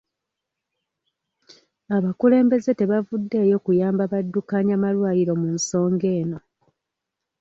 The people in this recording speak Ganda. Abakulembeze tebavuddeeyo kuyamba baddukanya malwaliro mu nsonga eno